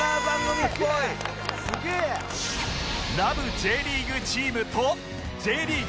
ＪリーグチームとＪリーグ